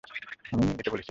আমি নীল দিতে বলেছিলাম।